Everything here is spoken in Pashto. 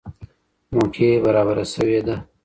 موقع برابره سوې ده